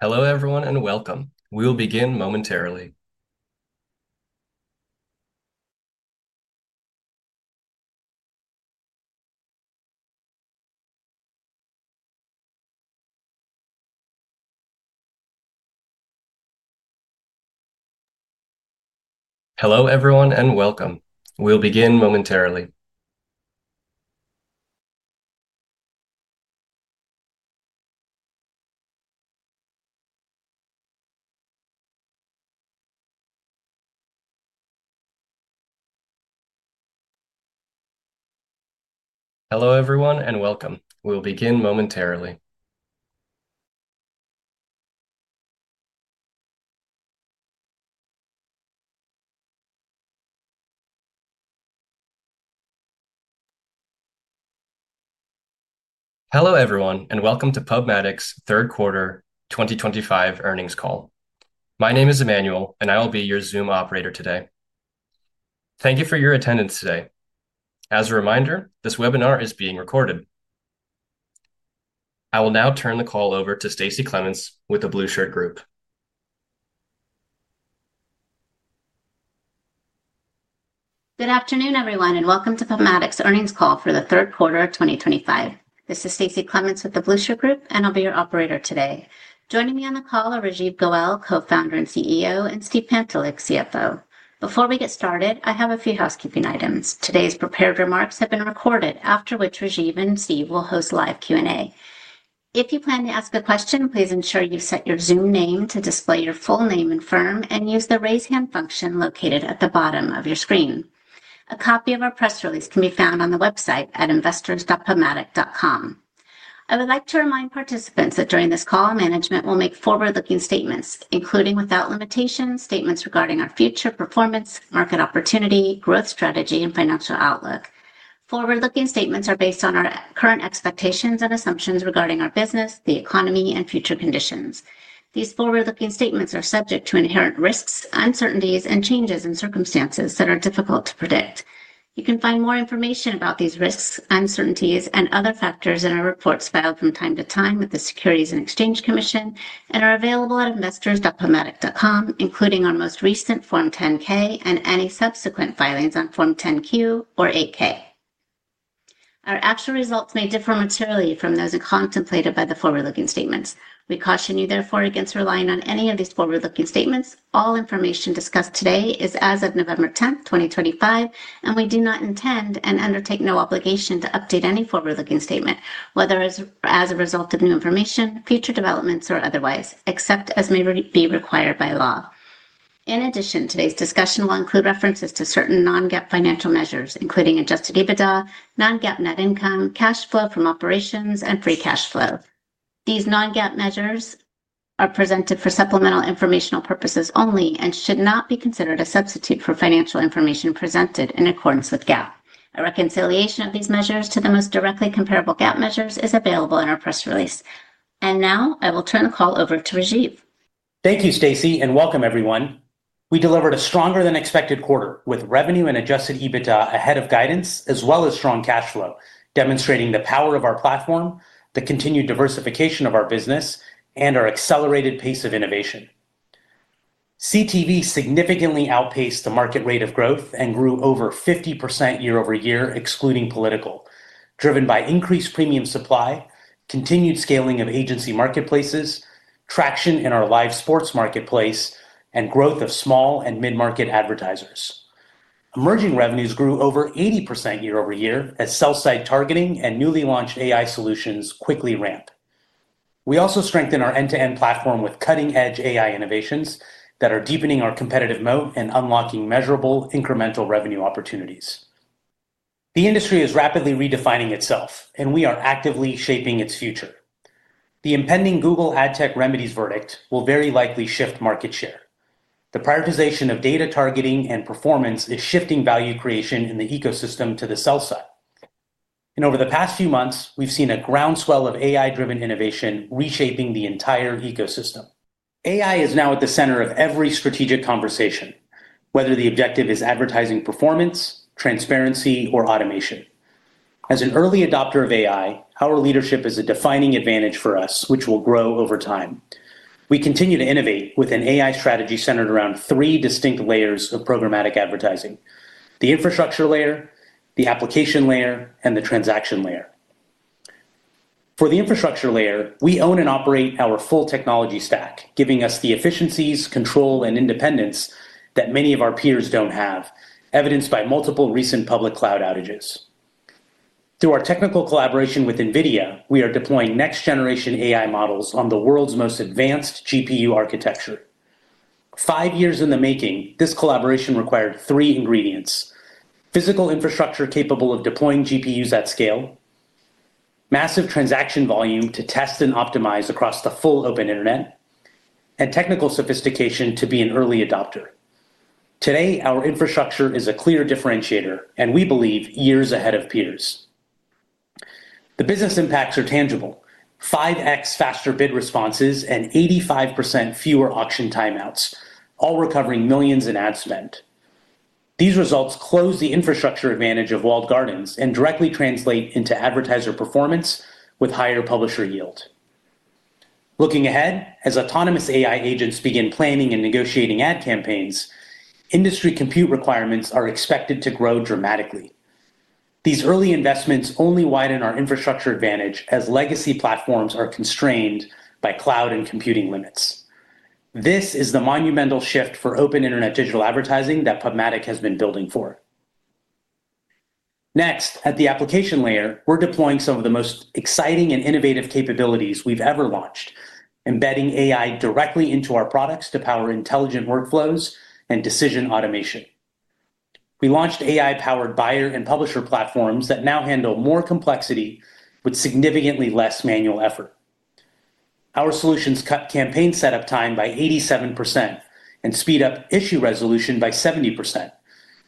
Hello everyone and welcome. We will begin momentarily. Hello everyone and welcome. We will begin momentarily. Hello everyone and welcome. We will begin momentarily. Hello everyone and welcome to PubMatic's third quarter 2025 earnings call. My name is Emmanuel and I will be your Zoom operator today. Thank you for your attendance today. As a reminder, this webinar is being recorded. I will now turn the call over to Stacie Clements with The Blueshirt Group. Good afternoon everyone and welcome to PubMatic's earnings call for the third quarter of 2025. This is Stacie Clements with The Blueshirt Group and I'll be your operator today. Joining me on the call are Rajeev Goel, co-founder and CEO, and Steve Pantelick, CFO. Before we get started, I have a few housekeeping items. Today's prepared remarks have been recorded, after which Rajeev and Steve will host live Q&A. If you plan to ask a question, please ensure you set your Zoom name to display your full name and firm and use the raise hand function located at the bottom of your screen. A copy of our press release can be found on the website at investors.pubmatic.com. I would like to remind participants that during this call, management will make forward-looking statements, including without limitations, statements regarding our future performance, market opportunity, growth strategy, and financial outlook. Forward-looking statements are based on our current expectations and assumptions regarding our business, the economy, and future conditions. These forward-looking statements are subject to inherent risks, uncertainties, and changes in circumstances that are difficult to predict. You can find more information about these risks, uncertainties, and other factors in our reports filed from time to time with the Securities and Exchange Commission and are available at investors.pubmatic.com, including our most recent Form 10-K and any subsequent filings on Form 10-Q or 8-K. Our actual results may differ materially from those contemplated by the forward-looking statements. We caution you therefore against relying on any of these forward-looking statements. All information discussed today is as of November 10th, 2025, and we do not intend and undertake no obligation to update any forward-looking statement, whether as a result of new information, future developments, or otherwise, except as may be required by law. In addition, today's discussion will include references to certain non-GAAP financial measures, including adjusted EBITDA, non-GAAP net income, cash flow from operations, and free cash flow. These non-GAAP measures are presented for supplemental informational purposes only and should not be considered a substitute for financial information presented in accordance with GAAP. A reconciliation of these measures to the most directly comparable GAAP measures is available in our press release. I will now turn the call over to Rajeev. Thank you, Stacie, and welcome everyone. We delivered a stronger-than-expected quarter with revenue and adjusted EBITDA ahead of guidance, as well as strong cash flow, demonstrating the power of our platform, the continued diversification of our business, and our accelerated pace of innovation. CTV significantly outpaced the market rate of growth and grew over 50% year over year, excluding political, driven by increased premium supply, continued scaling of agency marketplaces, traction in our live sports marketplace, and growth of small and mid-market advertisers. Emerging revenues grew over 80% year over year as sell-side targeting and newly launched AI solutions quickly ramped. We also strengthened our end-to-end platform with cutting-edge AI innovations that are deepening our competitive moat and unlocking measurable incremental revenue opportunities. The industry is rapidly redefining itself, and we are actively shaping its future. The impending Google AdTech Remedies verdict will very likely shift market share. The prioritization of data targeting and performance is shifting value creation in the ecosystem to the sell side. Over the past few months, we've seen a groundswell of AI-driven innovation reshaping the entire ecosystem. AI is now at the center of every strategic conversation, whether the objective is advertising performance, transparency, or automation. As an early adopter of AI, our leadership is a defining advantage for us, which will grow over time. We continue to innovate with an AI strategy centered around three distinct layers of programmatic advertising: the infrastructure layer, the application layer, and the transaction layer. For the infrastructure layer, we own and operate our full technology stack, giving us the efficiencies, control, and independence that many of our peers don't have, evidenced by multiple recent public cloud outages. Through our technical collaboration with NVIDIA, we are deploying next-generation AI models on the world's most advanced GPU architecture. Five years in the making, this collaboration required three ingredients: physical infrastructure capable of deploying GPUs at scale, massive transaction volume to test and optimize across the full open internet, and technical sophistication to be an early adopter. Today, our infrastructure is a clear differentiator, and we believe years ahead of peers. The business impacts are tangible. 5x faster bid responses and 85% fewer auction timeouts, all recovering millions in ad spend. These results close the infrastructure advantage of walled gardens and directly translate into advertiser performance with higher publisher yield. Looking ahead, as autonomous AI agents begin planning and negotiating ad campaigns, industry compute requirements are expected to grow dramatically. These early investments only widen our infrastructure advantage as legacy platforms are constrained by cloud and computing limits. This is the monumental shift for open internet digital advertising that PubMatic has been building for. Next, at the application layer, we're deploying some of the most exciting and innovative capabilities we've ever launched, embedding AI directly into our products to power intelligent workflows and decision automation. We launched AI-powered buyer and publisher platforms that now handle more complexity with significantly less manual effort. Our solutions cut campaign setup time by 87% and speed up issue resolution by 70%,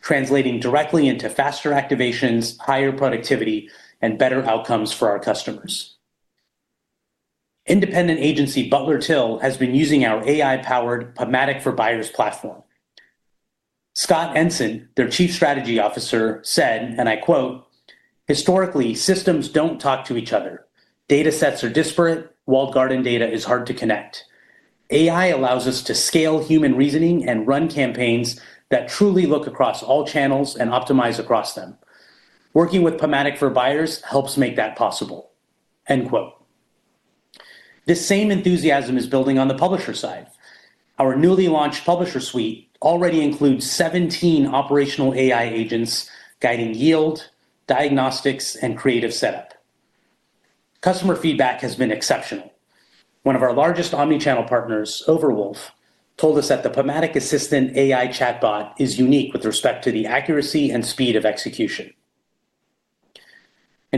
translating directly into faster activations, higher productivity, and better outcomes for our customers. Independent agency Butler/Till has been using our AI-powered PubMatic for Buyers platform. Scott Ensign, their Chief Strategy Officer, said, and I quote, "Historically, systems don't talk to each other. Data sets are disparate. Walled garden data is hard to connect. AI allows us to scale human reasoning and run campaigns that truly look across all channels and optimize across them. Working with PubMatic for Buyers helps make that possible." This same enthusiasm is building on the publisher side. Our newly launched publisher suite already includes 17 operational AI agents guiding yield, diagnostics, and creative setup. Customer feedback has been exceptional. One of our largest omnichannel partners, Overwolf, told us that the PubMatic Assistant AI chatbot is unique with respect to the accuracy and speed of execution.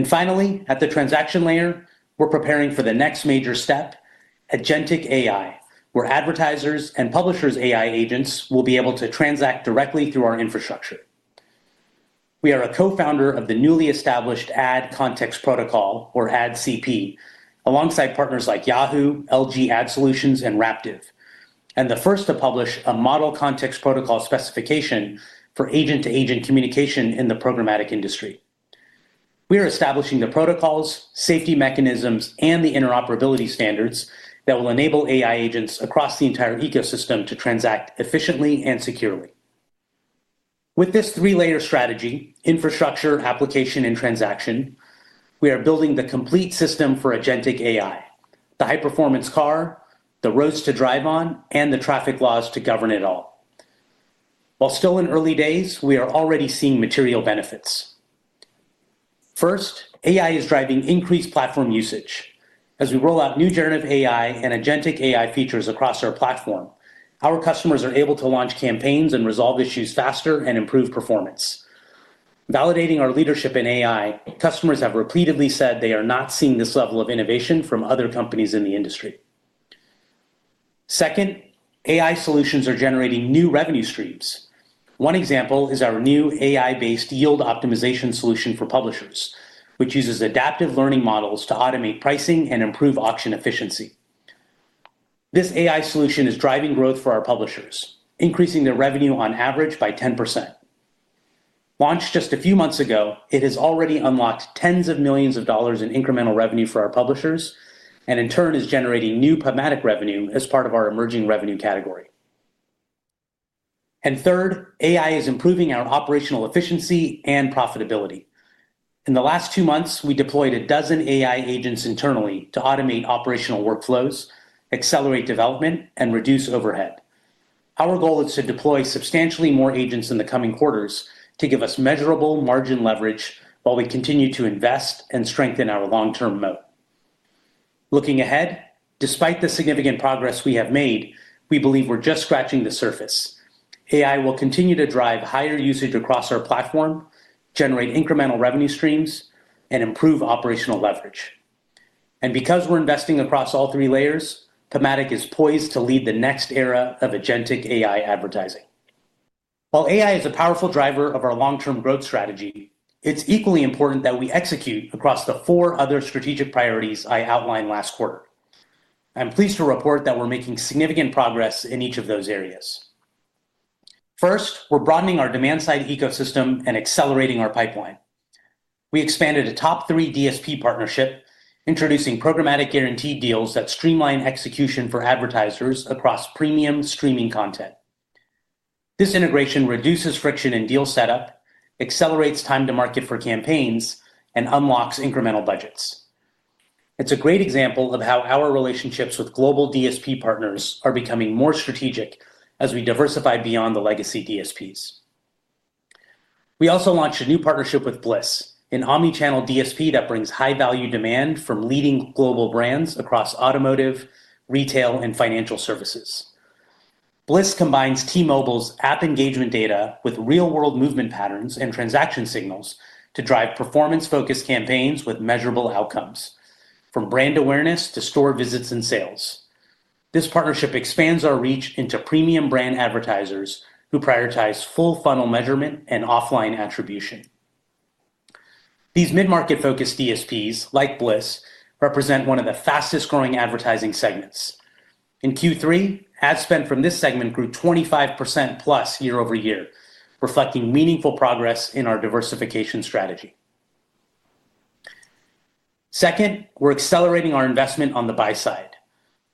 Finally, at the transaction layer, we're preparing for the next major step, Agentic AI, where advertisers and publishers' AI agents will be able to transact directly through our infrastructure. We are a co-founder of the newly established Ad Context Protocol, or AdCP, alongside partners like Yahoo, LG Ad Solutions, and Raptive, and the first to publish a model context protocol specification for agent-to-agent communication in the programmatic industry. We are establishing the protocols, safety mechanisms, and the interoperability standards that will enable AI agents across the entire ecosystem to transact efficiently and securely. With this three-layer strategy, infrastructure, application, and transaction, we are building the complete system for Agentic AI. The high-performance car, the roads to drive on, and the traffic laws to govern it all. While still in early days, we are already seeing material benefits. First, AI is driving increased platform usage. As we roll out new generative AI and Agentic AI features across our platform, our customers are able to launch campaigns and resolve issues faster and improve performance. Validating our leadership in AI, customers have repeatedly said they are not seeing this level of innovation from other companies in the industry. Second, AI solutions are generating new revenue streams. One example is our new AI-based yield optimization solution for publishers, which uses adaptive learning models to automate pricing and improve auction efficiency. This AI solution is driving growth for our publishers, increasing their revenue on average by 10%. Launched just a few months ago, it has already unlocked tens of millions of dollars in incremental revenue for our publishers and, in turn, is generating new PubMatic revenue as part of our emerging revenue category. Third, AI is improving our operational efficiency and profitability. In the last two months, we deployed a dozen AI agents internally to automate operational workflows, accelerate development, and reduce overhead. Our goal is to deploy substantially more agents in the coming quarters to give us measurable margin leverage while we continue to invest and strengthen our long-term moat. Looking ahead, despite the significant progress we have made, we believe we're just scratching the surface. AI will continue to drive higher usage across our platform, generate incremental revenue streams, and improve operational leverage. Because we're investing across all three layers, PubMatic is poised to lead the next era of Agentic AI advertising. While AI is a powerful driver of our long-term growth strategy, it's equally important that we execute across the four other strategic priorities I outlined last quarter. I'm pleased to report that we're making significant progress in each of those areas. First, we're broadening our demand-side ecosystem and accelerating our pipeline. We expanded a top-three DSP partnership, introducing programmatic guarantee deals that streamline execution for advertisers across premium streaming content. This integration reduces friction in deal setup, accelerates time to market for campaigns, and unlocks incremental budgets. It's a great example of how our relationships with global DSP partners are becoming more strategic as we diversify beyond the legacy DSPs. We also launched a new partnership with Blis, an omnichannel DSP that brings high-value demand from leading global brands across automotive, retail, and financial services. Blis combines T-Mobile's app engagement data with real-world movement patterns and transaction signals to drive performance-focused campaigns with measurable outcomes, from brand awareness to store visits and sales. This partnership expands our reach into premium brand advertisers who prioritize full funnel measurement and offline attribution. These mid-market-focused DSPs, like Blis, represent one of the fastest-growing advertising segments. In Q3, ad spend from this segment grew 25%+ year over year, reflecting meaningful progress in our diversification strategy. Second, we're accelerating our investment on the buy side.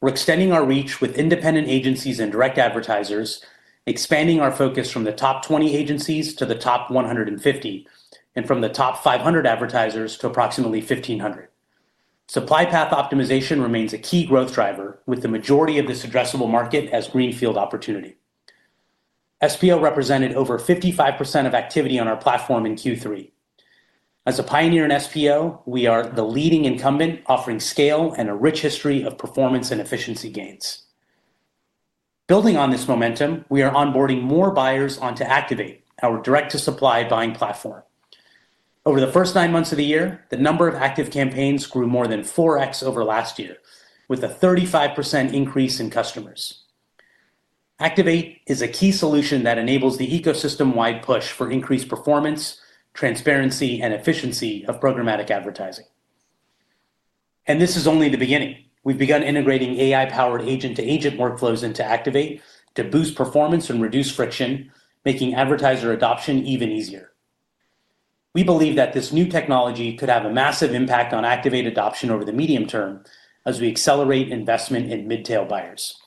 We're extending our reach with independent agencies and direct advertisers, expanding our focus from the top 20 agencies to the top 150, and from the top 500 advertisers to approximately 1,500. Supply path optimization remains a key growth driver, with the majority of this addressable market as greenfield opportunity. SPO represented over 55% of activity on our platform in Q3. As a pioneer in SPO, we are the leading incumbent, offering scale and a rich history of performance and efficiency gains. Building on this momentum, we are onboarding more buyers onto Activate, our direct-to-supply buying platform. Over the first nine months of the year, the number of active campaigns grew more than 4x over last year, with a 35% increase in customers. Activate is a key solution that enables the ecosystem-wide push for increased performance, transparency, and efficiency of programmatic advertising. This is only the beginning. We have begun integrating AI-powered agent-to-agent workflows into Activate to boost performance and reduce friction, making advertiser adoption even easier. We believe that this new technology could have a massive impact on Activate adoption over the medium term as we accelerate investment in mid-tail buyers.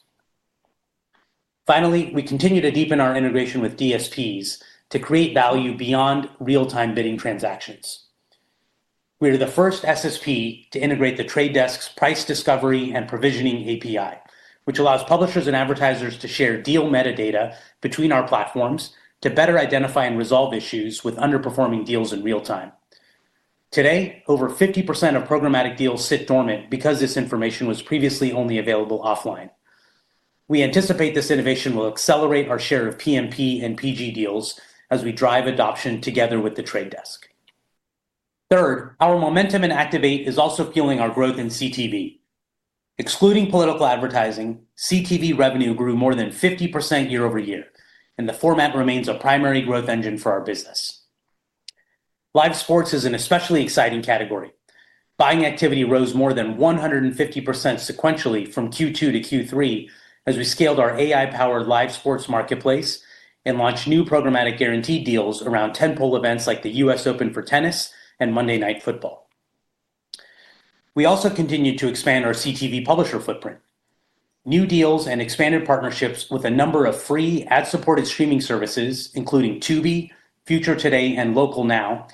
Finally, we continue to deepen our integration with DSPs to create value beyond real-time bidding transactions. We are the first SSP to integrate The Trade Desk's price discovery and provisioning API, which allows publishers and advertisers to share deal metadata between our platforms to better identify and resolve issues with underperforming deals in real time. Today, over 50% of programmatic deals sit dormant because this information was previously only available offline. We anticipate this innovation will accelerate our share of PMP and PG deals as we drive adoption together with The Trade Desk. Third, our momentum in Activate is also fueling our growth in CTV. Excluding political advertising, CTV revenue grew more than 50% year over year, and the format remains a primary growth engine for our business. Live Sports is an especially exciting category. Buying activity rose more than 150% sequentially from Q2 to Q3 as we scaled our AI-powered live sports marketplace and launched new programmatic guarantee deals around tentpole events like the US Open for tennis and Monday Night Football. We also continue to expand our CTV publisher footprint. New deals and expanded partnerships with a number of free ad-supported streaming services, including Tubi, Future Today, and Local Now,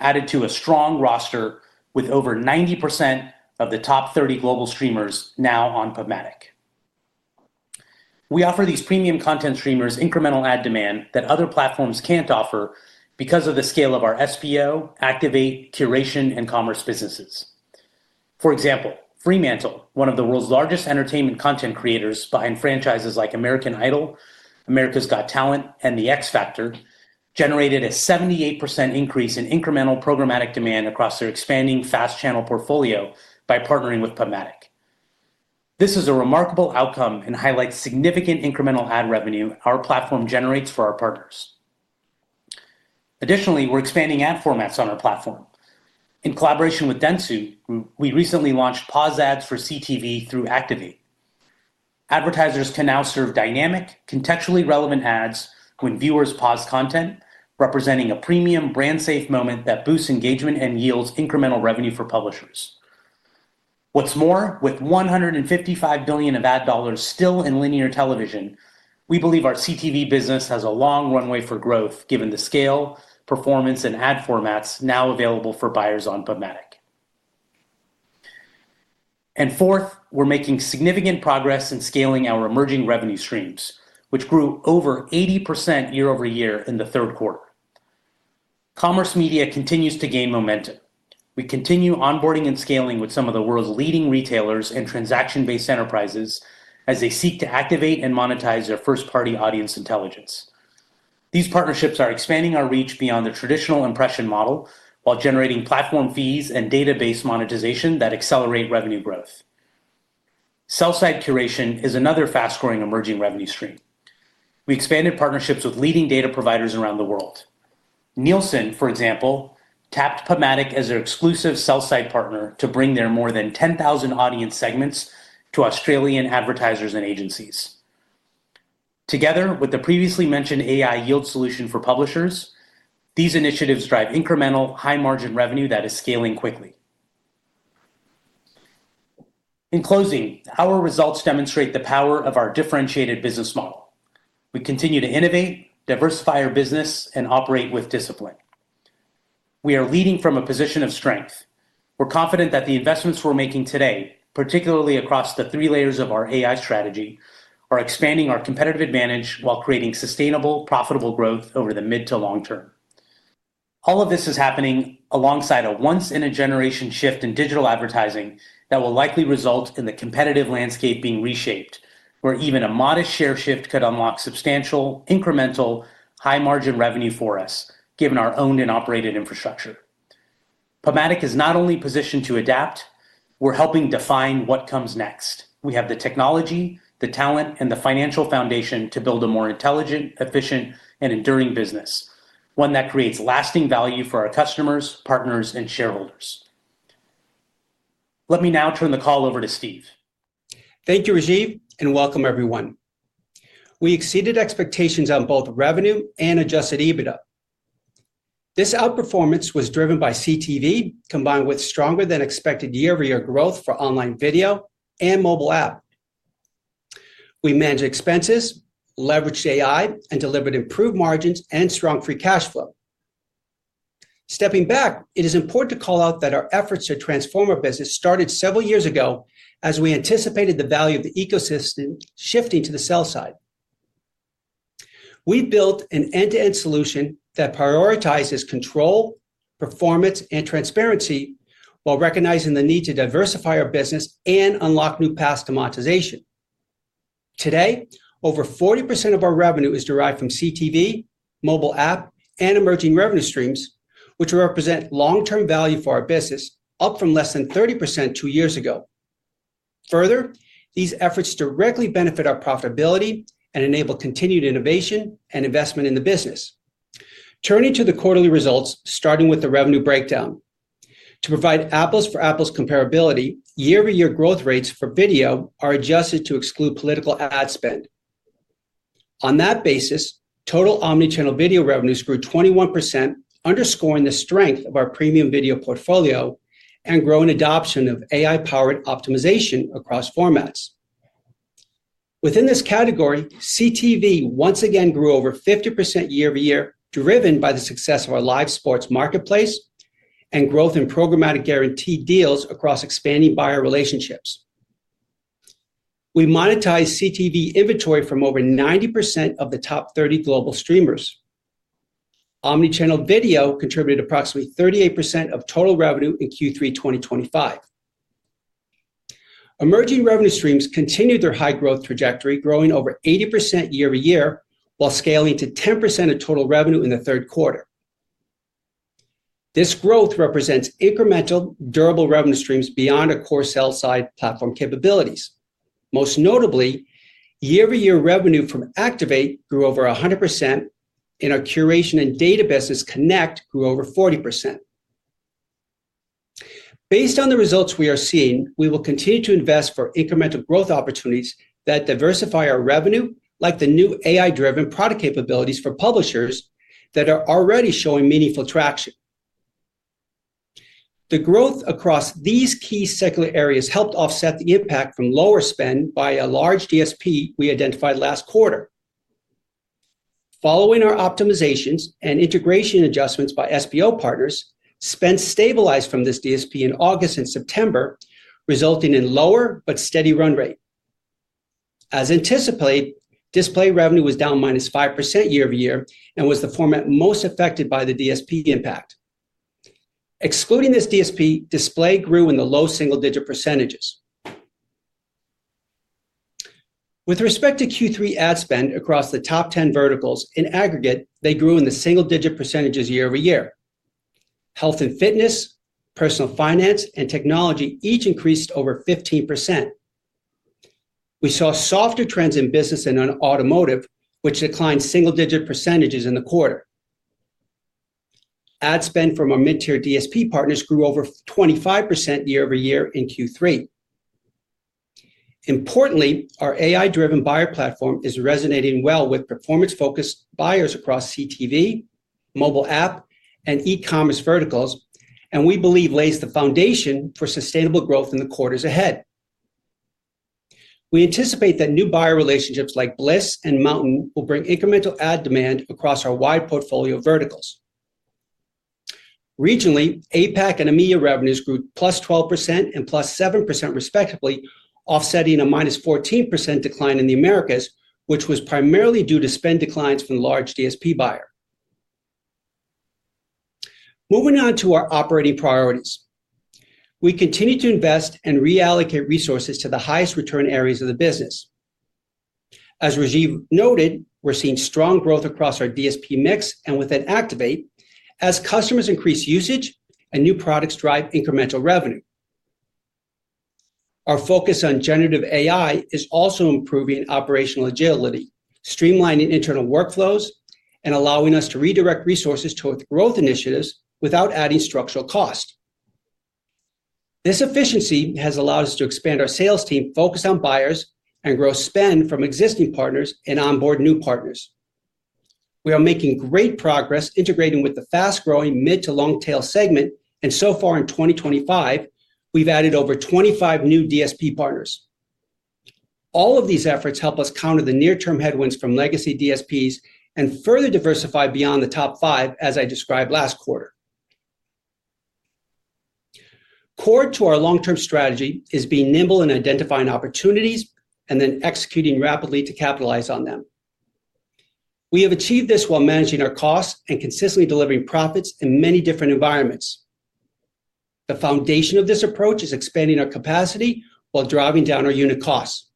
added to a strong roster with over 90% of the top 30 global streamers now on PubMatic. We offer these premium content streamers incremental ad demand that other platforms can't offer because of the scale of our SPO, Activate, curation, and commerce businesses. For example, Fremantle, one of the world's largest entertainment content creators behind franchises like American Idol, America's Got Talent, and The X Factor, generated a 78% increase in incremental programmatic demand across their expanding fast channel portfolio by partnering with PubMatic. This is a remarkable outcome and highlights significant incremental ad revenue our platform generates for our partners. Additionally, we're expanding ad formats on our platform. In collaboration with Dentsu, we recently launched pause ads for CTV through Activate. Advertisers can now serve dynamic, contextually relevant ads when viewers pause content, representing a premium, brand-safe moment that boosts engagement and yields incremental revenue for publishers. What's more, with $155 billion of ad dollars still in linear television, we believe our CTV business has a long runway for growth given the scale, performance, and ad formats now available for buyers on PubMatic. Fourth, we're making significant progress in scaling our emerging revenue streams, which grew over 80% year over year in the third quarter. Commerce media continues to gain momentum. We continue onboarding and scaling with some of the world's leading retailers and transaction-based enterprises as they seek to activate and monetize their first-party audience intelligence. These partnerships are expanding our reach beyond the traditional impression model while generating platform fees and database monetization that accelerate revenue growth. Sell-side curation is another fast-growing emerging revenue stream. We expanded partnerships with leading data providers around the world. Nielsen, for example, tapped PubMatic as their exclusive sell-side partner to bring their more than 10,000 audience segments to Australian advertisers and agencies. Together with the previously mentioned AI yield solution for publishers, these initiatives drive incremental, high-margin revenue that is scaling quickly. In closing, our results demonstrate the power of our differentiated business model. We continue to innovate, diversify our business, and operate with discipline. We are leading from a position of strength. We're confident that the investments we're making today, particularly across the three layers of our AI strategy, are expanding our competitive advantage while creating sustainable, profitable growth over the mid to long term. All of this is happening alongside a once-in-a-generation shift in digital advertising that will likely result in the competitive landscape being reshaped, where even a modest share shift could unlock substantial, incremental, high-margin revenue for us, given our owned and operated infrastructure. PubMatic is not only positioned to adapt; we're helping define what comes next. We have the technology, the talent, and the financial foundation to build a more intelligent, efficient, and enduring business, one that creates lasting value for our customers, partners, and shareholders. Let me now turn the call over to Steve. Thank you, Rajeev, and welcome, everyone. We exceeded expectations on both revenue and adjusted EBITDA. This outperformance was driven by CTV, combined with stronger-than-expected year-over-year growth for online video and mobile app. We managed expenses, leveraged AI, and delivered improved margins and strong free cash flow. Stepping back, it is important to call out that our efforts to transform our business started several years ago as we anticipated the value of the ecosystem shifting to the sell side. We built an end-to-end solution that prioritizes control, performance, and transparency while recognizing the need to diversify our business and unlock new paths to monetization. Today, over 40% of our revenue is derived from CTV, mobile app, and emerging revenue streams, which represent long-term value for our business, up from less than 30% two years ago. Further, these efforts directly benefit our profitability and enable continued innovation and investment in the business. Turning to the quarterly results, starting with the revenue breakdown. To provide apples-for-apples comparability, year-over-year growth rates for video are adjusted to exclude political ad spend. On that basis, total omnichannel video revenues grew 21%, underscoring the strength of our premium video portfolio and growing adoption of AI-powered optimization across formats. Within this category, CTV once again grew over 50% year-over-year, driven by the success of our Live Sports marketplace and growth in programmatic guarantee deals across expanding buyer relationships. We monetized CTV inventory from over 90% of the top 30 global streamers. Omnichannel video contributed approximately 38% of total revenue in Q3 2025. Emerging revenue streams continued their high-growth trajectory, growing over 80% year-over-year while scaling to 10% of total revenue in the third quarter. This growth represents incremental, durable revenue streams beyond our core sell-side platform capabilities. Most notably, year-over-year revenue from Activate grew over 100%, and our curation and data business Connect grew over 40%. Based on the results we are seeing, we will continue to invest for incremental growth opportunities that diversify our revenue, like the new AI-driven product capabilities for publishers that are already showing meaningful traction. The growth across these key secular areas helped offset the impact from lower spend by a large DSP we identified last quarter. Following our optimizations and integration adjustments by SPO partners, spend stabilized from this DSP in August and September, resulting in lower but steady run rate. As anticipated, display revenue was down -5% year-over-year and was the format most affected by the DSP impact. Excluding this DSP, display grew in the low single-digit percentages. With respect to Q3 ad spend across the top 10 verticals, in aggregate, they grew in the single-digit percentages year-over-year. Health and fitness, personal finance, and technology each increased over 15%. We saw softer trends in business and in automotive, which declined single-digit percentages in the quarter. Ad spend from our mid-tier DSP partners grew over 25% year-over-year in Q3. Importantly, our AI-driven buyer platform is resonating well with performance-focused buyers across CTV, mobile app, and e-commerce verticals, and we believe lays the foundation for sustainable growth in the quarters ahead. We anticipate that new buyer relationships like Blis and MNTN will bring incremental ad demand across our wide portfolio of verticals. Regionally, APAC and EMEA revenues grew +12% and +7% respectively, offsetting a -14% decline in the Americas, which was primarily due to spend declines from the large DSP buyer. Moving on to our operating priorities, we continue to invest and reallocate resources to the highest return areas of the business. As Rajeev noted, we're seeing strong growth across our DSP mix and within Activate as customers increase usage and new products drive incremental revenue. Our focus on generative AI is also improving operational agility, streamlining internal workflows, and allowing us to redirect resources towards growth initiatives without adding structural cost. This efficiency has allowed us to expand our sales team, focus on buyers, and grow spend from existing partners and onboard new partners. We are making great progress integrating with the fast-growing mid-to-long tail segment, and so far in 2025, we've added over 25 new DSP partners. All of these efforts help us counter the near-term headwinds from legacy DSPs and further diversify beyond the top five, as I described last quarter. Core to our long-term strategy is being nimble in identifying opportunities and then executing rapidly to capitalize on them. We have achieved this while managing our costs and consistently delivering profits in many different environments. The foundation of this approach is expanding our capacity while driving down our unit costs.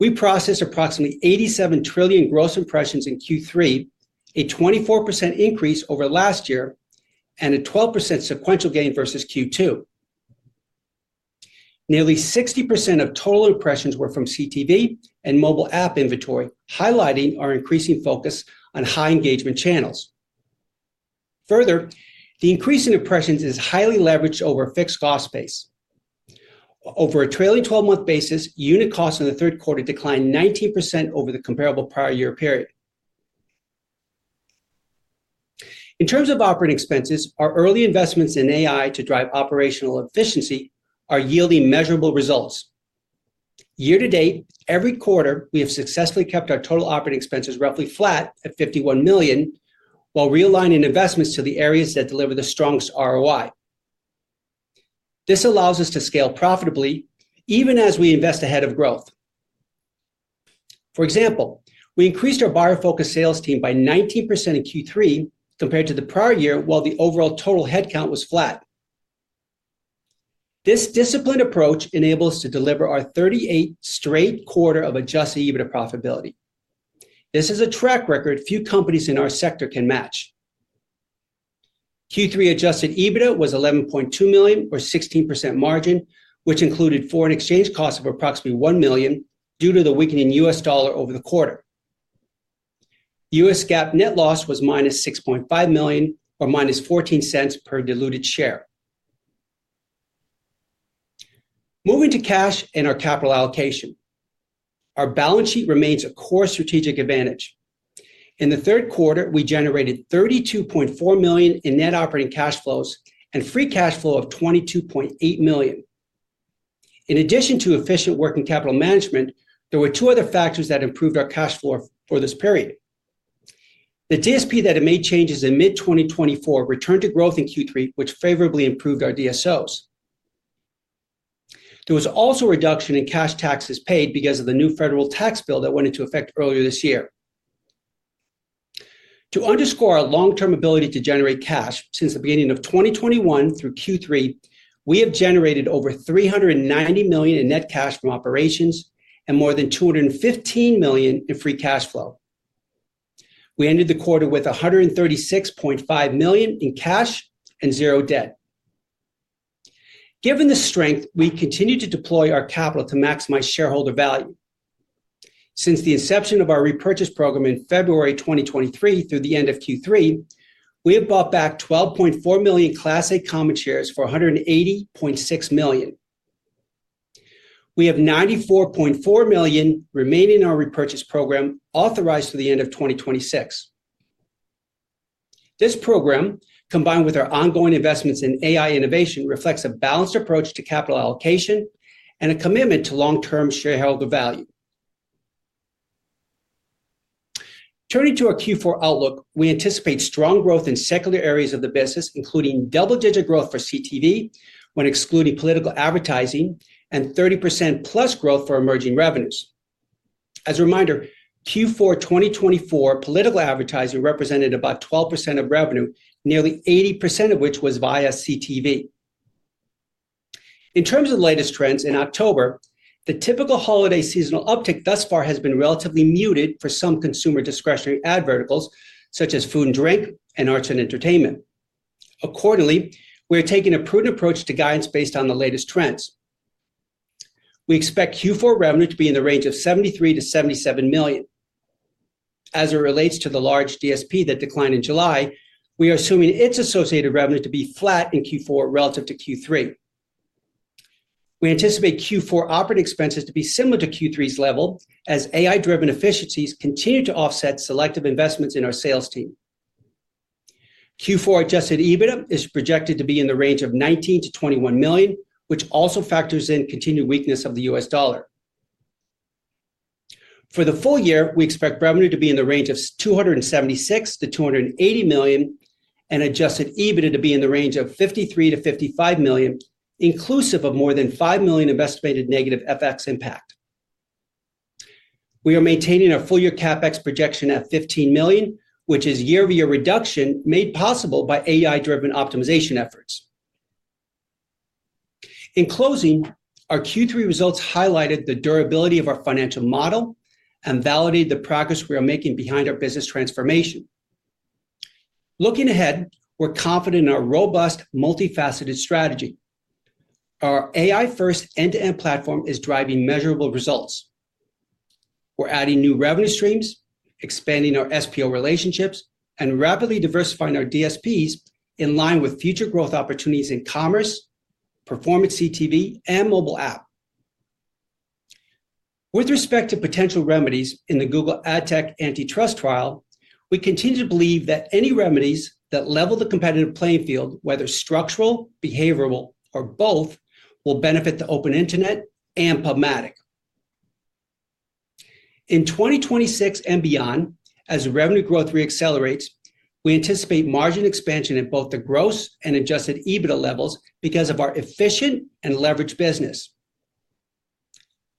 We process approximately 87 trillion gross impressions in Q3, a 24% increase over last year, and a 12% sequential gain versus Q2. Nearly 60% of total impressions were from CTV and mobile app inventory, highlighting our increasing focus on high engagement channels. Further, the increase in impressions is highly leveraged over a fixed cost base. Over a trailing 12-month basis, unit costs in the third quarter declined 19% over the comparable prior year period. In terms of operating expenses, our early investments in AI to drive operational efficiency are yielding measurable results. Year to date, every quarter, we have successfully kept our total operating expenses roughly flat at $51 million, while realigning investments to the areas that deliver the strongest ROI. This allows us to scale profitably, even as we invest ahead of growth. For example, we increased our buyer-focused sales team by 19% in Q3 compared to the prior year, while the overall total headcount was flat. This disciplined approach enables us to deliver our 38th straight quarter of adjusted EBITDA profitability. This is a track record few companies in our sector can match. Q3 adjusted EBITDA was $11.2 million, or 16% margin, which included foreign exchange costs of approximately $1 million due to the weakening US dollar over the quarter. US GAAP net loss was -$6.5 million, or -$0.14 per diluted share. Moving to cash and our capital allocation, our balance sheet remains a core strategic advantage. In the third quarter, we generated $32.4 million in net operating cash flows and free cash flow of $22.8 million. In addition to efficient working capital management, there were two other factors that improved our cash flow for this period. The DSP that had made changes in mid-2024 returned to growth in Q3, which favorably improved our DSOs. There was also a reduction in cash taxes paid because of the new federal tax bill that went into effect earlier this year. To underscore our long-term ability to generate cash, since the beginning of 2021 through Q3, we have generated over $390 million in net cash from operations and more than $215 million in free cash flow. We ended the quarter with $136.5 million in cash and zero debt. Given the strength, we continue to deploy our capital to maximize shareholder value. Since the inception of our repurchase program in February 2023 through the end of Q3, we have bought back 12.4 million Class A common shares for $180.6 million. We have $94.4 million remaining in our repurchase program authorized to the end of 2026. This program, combined with our ongoing investments in AI innovation, reflects a balanced approach to capital allocation and a commitment to long-term shareholder value. Turning to our Q4 outlook, we anticipate strong growth in secular areas of the business, including double-digit growth for CTV when excluding political advertising and 30%+ growth for emerging revenues. As a reminder, Q4 2024 political advertising represented about 12% of revenue, nearly 80% of which was via CTV. In terms of the latest trends, in October, the typical holiday seasonal uptick thus far has been relatively muted for some consumer discretionary ad verticals such as food and drink and arts and entertainment. Accordingly, we are taking a prudent approach to guidance based on the latest trends. We expect Q4 revenue to be in the range of $73 million-$77 million. As it relates to the large DSP that declined in July, we are assuming its associated revenue to be flat in Q4 relative to Q3. We anticipate Q4 operating expenses to be similar to Q3's level as AI-driven efficiencies continue to offset selective investments in our sales team. Q4 adjusted EBITDA is projected to be in the range of $19 million-$21 million, which also factors in continued weakness of the US dollar. For the full year, we expect revenue to be in the range of $276 million-$280 million and adjusted EBITDA to be in the range of $53 million-$55 million, inclusive of more than $5 million of estimated negative FX impact. We are maintaining our full-year CapEx projection at $15 million, which is a year-over-year reduction made possible by AI-driven optimization efforts. In closing, our Q3 results highlighted the durability of our financial model and validated the progress we are making behind our business transformation. Looking ahead, we're confident in our robust, multifaceted strategy. Our AI-first end-to-end platform is driving measurable results. We're adding new revenue streams, expanding our SPO relationships, and rapidly diversifying our DSPs in line with future growth opportunities in commerce, performance CTV, and mobile app. With respect to potential remedies in the Google AdTech antitrust trial, we continue to believe that any remedies that level the competitive playing field, whether structural, behavioral, or both, will benefit the open internet and PubMatic. In 2026 and beyond, as revenue growth reaccelerates, we anticipate margin expansion at both the gross and adjusted EBITDA levels because of our efficient and leveraged business.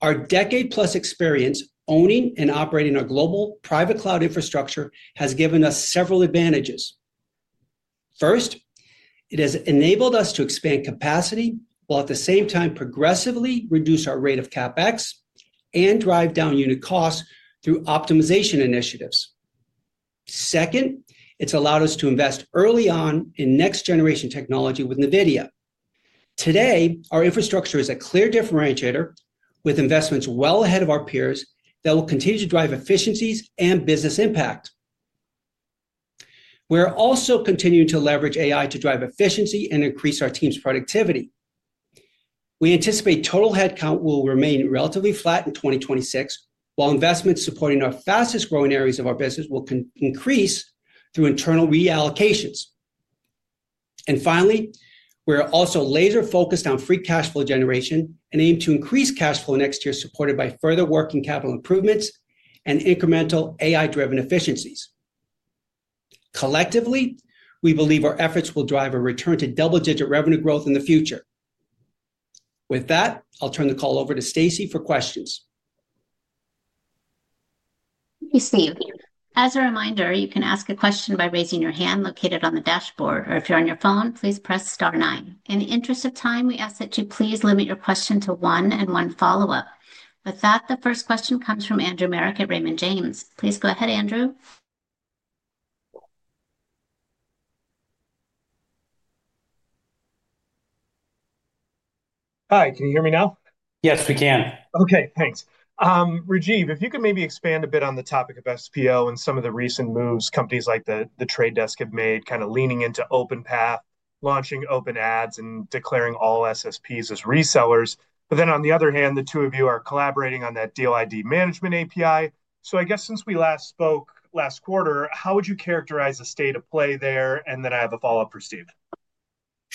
Our decade-plus experience owning and operating our global private cloud infrastructure has given us several advantages. First, it has enabled us to expand capacity while at the same time progressively reduce our rate of CapEx and drive down unit costs through optimization initiatives. Second, it's allowed us to invest early on in next-generation technology with NVIDIA. Today, our infrastructure is a clear differentiator with investments well ahead of our peers that will continue to drive efficiencies and business impact. We are also continuing to leverage AI to drive efficiency and increase our team's productivity. We anticipate total headcount will remain relatively flat in 2026, while investments supporting our fastest-growing areas of our business will increase through internal reallocations. Finally, we are also laser-focused on free cash flow generation and aim to increase cash flow next year supported by further working capital improvements and incremental AI-driven efficiencies. Collectively, we believe our efforts will drive a return to double-digit revenue growth in the future. With that, I'll turn the call over to Stacie for questions. Thank you, Steve. As a reminder, you can ask a question by raising your hand located on the dashboard, or if you're on your phone, please press star nine. In the interest of time, we ask that you please limit your question to one and one follow-up. With that, the first question comes from Andrew Marok at Raymond James. Please go ahead, Andrew. Hi, can you hear me now? Yes, we can. Okay, thanks. Rajeev, if you could maybe expand a bit on the topic of SPO and some of the recent moves companies like The Trade Desk have made, kind of leaning into OpenPath, launching OpenAds, and declaring all SSPs as resellers. On the other hand, the two of you are collaborating on that DLID management API. I guess since we last spoke last quarter, how would you characterize the state of play there? I have a follow-up for Steve.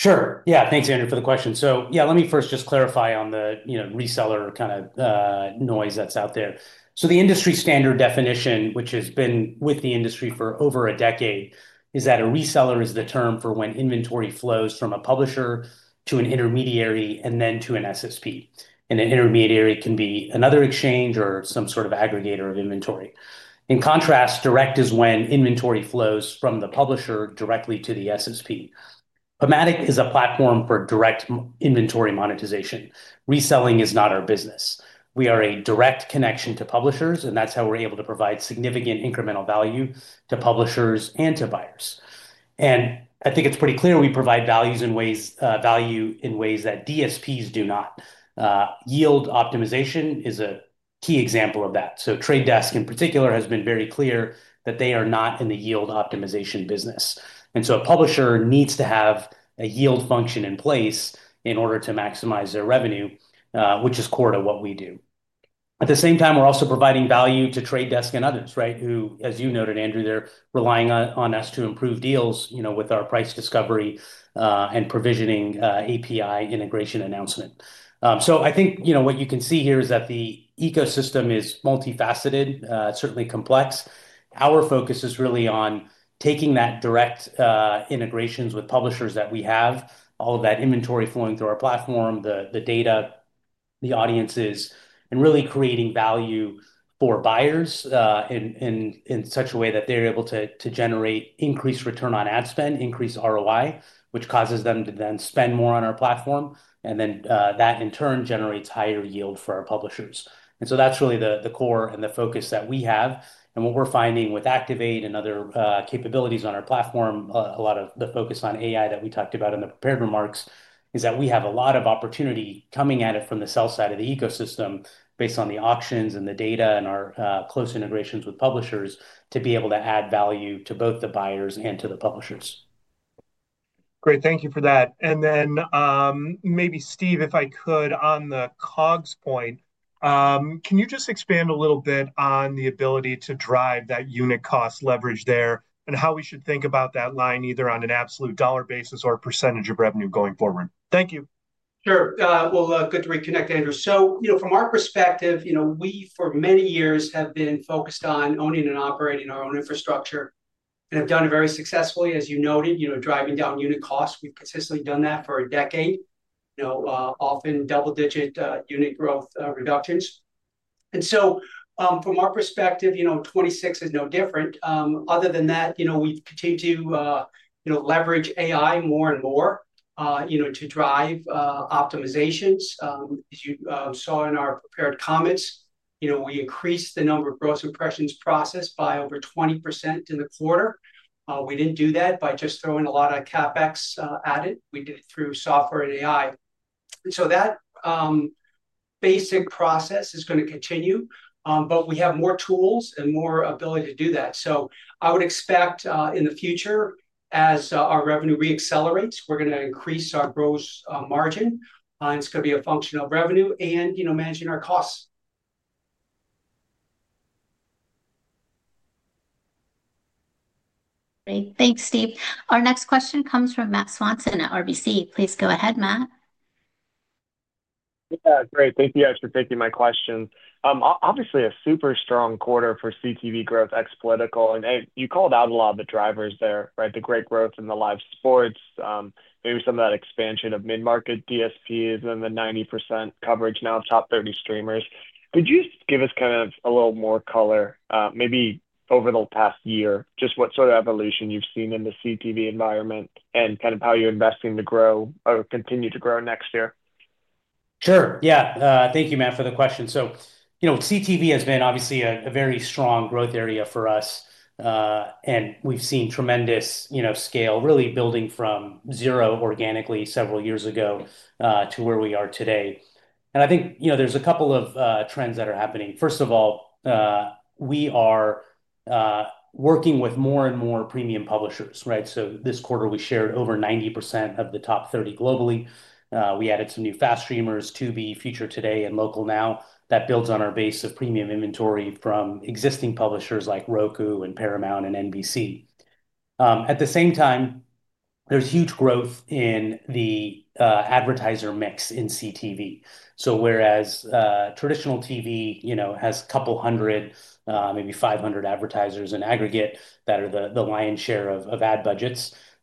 Sure. Yeah, thanks, Andrew, for the question. Yeah, let me first just clarify on the reseller kind of noise that's out there. The industry standard definition, which has been with the industry for over a decade, is that a reseller is the term for when inventory flows from a publisher to an intermediary and then to an SSP. An intermediary can be another exchange or some sort of aggregator of inventory. In contrast, direct is when inventory flows from the publisher directly to the SSP. PubMatic is a platform for direct inventory monetization. Reselling is not our business. We are a direct connection to publishers, and that's how we're able to provide significant incremental value to publishers and to buyers. I think it's pretty clear we provide value in ways that DSPs do not. Yield optimization is a key example of that. Trade Desk, in particular, has been very clear that they are not in the yield optimization business. A publisher needs to have a yield function in place in order to maximize their revenue, which is core to what we do. At the same time, we are also providing value to Trade Desk and others, right? Who, as you noted, Andrew, they are relying on us to improve deals with our price discovery and provisioning API integration announcement. I think what you can see here is that the ecosystem is multifaceted, certainly complex. Our focus is really on taking that direct integrations with publishers that we have, all of that inventory flowing through our platform, the data, the audiences, and really creating value for buyers in such a way that they're able to generate increased return on ad spend, increased ROI, which causes them to then spend more on our platform. That, in turn, generates higher yield for our publishers. That is really the core and the focus that we have. What we're finding with Activate and other capabilities on our platform, a lot of the focus on AI that we talked about in the prepared remarks, is that we have a lot of opportunity coming at it from the sell side of the ecosystem based on the auctions and the data and our close integrations with publishers to be able to add value to both the buyers and to the publishers. Great. Thank you for that. Maybe Steve, if I could, on the COGS point, can you just expand a little bit on the ability to drive that unit cost leverage there and how we should think about that line either on an absolute dollar basis or percentage of revenue going forward? Thank you. Sure. Good to reconnect, Andrew. From our perspective, we for many years have been focused on owning and operating our own infrastructure and have done it very successfully, as you noted, driving down unit costs. We've consistently done that for a decade, often double-digit unit growth reductions. From our perspective, 2026 is no different. Other than that, we've continued to leverage AI more and more to drive optimizations. As you saw in our prepared comments, we increased the number of gross impressions processed by over 20% in the quarter. We did not do that by just throwing a lot of CapEx at it. We did it through software and AI. That basic process is going to continue, but we have more tools and more ability to do that. I would expect in the future, as our revenue reaccelerates, we're going to increase our gross margin. It's going to be a function of revenue and managing our costs. Great. Thanks, Steve. Our next question comes from Matt Swanson at RBC. Please go ahead, Matt. Yeah, great. Thank you, guys, for taking my question. Obviously, a super strong quarter for CTV growth ex-political. You called out a lot of the drivers there, right? The great growth in the Live Sports, maybe some of that expansion of mid-market DSPs and the 90% coverage now of top 30 streamers. Could you give us kind of a little more color, maybe over the past year, just what sort of evolution you've seen in the CTV environment and kind of how you're investing to grow or continue to grow next year? Sure. Yeah. Thank you, Matt, for the question. CTV has been obviously a very strong growth area for us, and we've seen tremendous scale, really building from zero organically several years ago to where we are today. I think there's a couple of trends that are happening. First of all, we are working with more and more premium publishers, right? This quarter, we shared over 90% of the top 30 globally. We added some new FAST streamers, Tubi, Future Today, and Local Now. That builds on our base of premium inventory from existing publishers like Roku and Paramount and NBC. At the same time, there's huge growth in the advertiser mix in CTV. Whereas traditional TV has a couple hundred, maybe 500 advertisers in aggregate, that are the lion's share of ad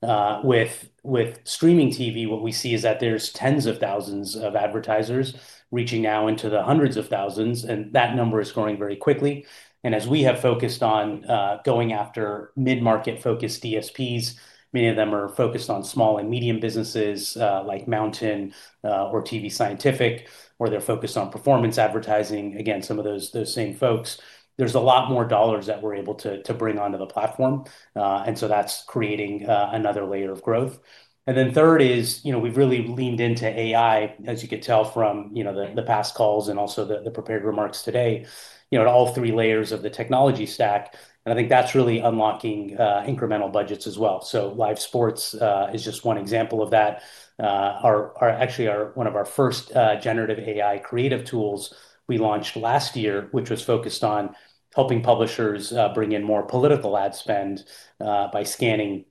budgets. With streaming TV, what we see is that there's tens of thousands of advertisers reaching now into the hundreds of thousands, and that number is growing very quickly. As we have focused on going after mid-market-focused DSPs, many of them are focused on small and medium businesses like MNTN or TV Scientific, or they're focused on performance advertising, again, some of those same folks. There's a lot more dollars that we're able to bring onto the platform. That is creating another layer of growth. Third, we've really leaned into AI, as you could tell from the past calls and also the prepared remarks today, at all three layers of the technology stack. I think that's really unlocking incremental budgets as well. Live Sports is just one example of that. Actually, one of our first generative AI creative tools we launched last year, which was focused on helping publishers bring in more political ad spend by scanning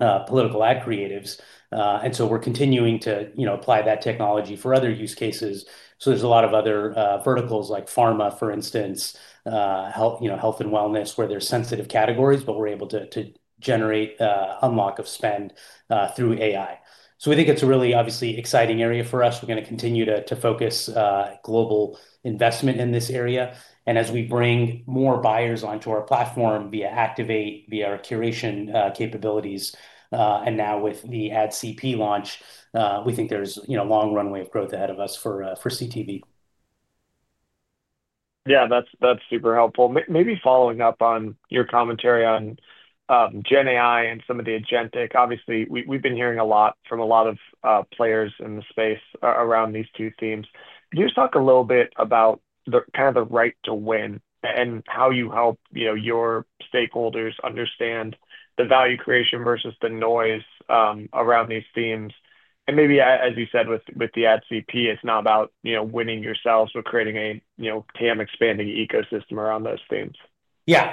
political ad creatives. We are continuing to apply that technology for other use cases. There are a lot of other verticals like pharma, for instance, health and wellness, where there are sensitive categories, but we are able to generate unlock of spend through AI. We think it is a really, obviously, exciting area for us. We are going to continue to focus global investment in this area. As we bring more buyers onto our platform via Activate, via our curation capabilities, and now with the AdCP launch, we think there is a long runway of growth ahead of us for CTV. Yeah, that's super helpful. Maybe following up on your commentary on GenAI and some of the agentic, obviously, we've been hearing a lot from a lot of players in the space around these two themes. Can you just talk a little bit about kind of the right to win and how you help your stakeholders understand the value creation versus the noise around these themes? Maybe, as you said, with the AdCP, it's not about winning yourselves, but creating a tame expanding ecosystem around those themes. Yeah.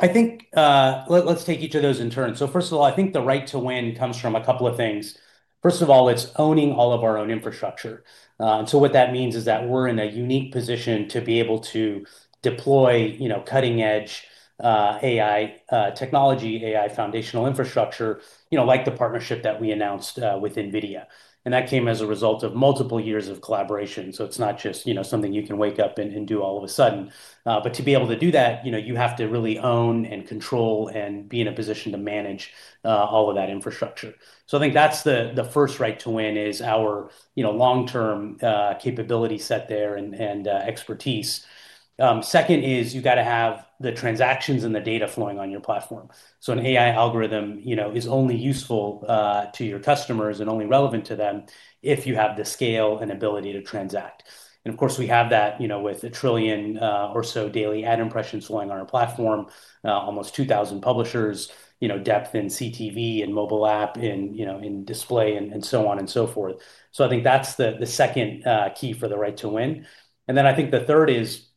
I think let's take each of those in turn. First of all, I think the right to win comes from a couple of things. First of all, it's owning all of our own infrastructure. What that means is that we're in a unique position to be able to deploy cutting-edge AI technology, AI foundational infrastructure, like the partnership that we announced with NVIDIA. That came as a result of multiple years of collaboration. It's not just something you can wake up and do all of a sudden. To be able to do that, you have to really own and control and be in a position to manage all of that infrastructure. I think that's the first right to win, our long-term capability set there and expertise. Second is you've got to have the transactions and the data flowing on your platform. An AI algorithm is only useful to your customers and only relevant to them if you have the scale and ability to transact. Of course, we have that with a trillion or so daily ad impressions flowing on our platform, almost 2,000 publishers, depth in CTV and mobile app and display and so on and so forth. I think that's the second key for the right to win. I think the third is